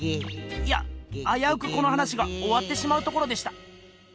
いやあやうくこの話がおわってしまうところでした。